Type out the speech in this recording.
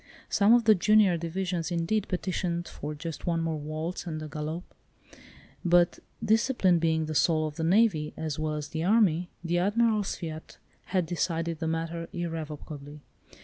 Some of the junior division indeed petitioned for just one more waltz and a galop; but discipline being the soul of the navy, as well as the army, the Admiral's fiat had decided the matter irrevocably.